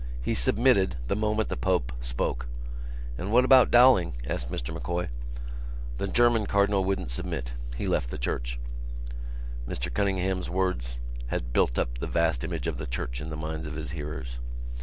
He submitted the moment the Pope spoke." "And what about Dowling?" asked Mr M'Coy. "The German cardinal wouldn't submit. He left the church." Mr Cunningham's words had built up the vast image of the church in the minds of his hearers.